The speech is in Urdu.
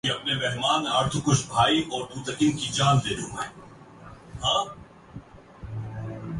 ہولی وڈ اسٹوڈیو کے اشتراک سے بننے والی فلم کیلئے سہائی ابڑو نے بال کٹوادیے